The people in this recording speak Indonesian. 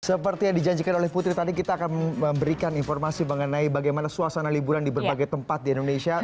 seperti yang dijanjikan oleh putri tadi kita akan memberikan informasi mengenai bagaimana suasana liburan di berbagai tempat di indonesia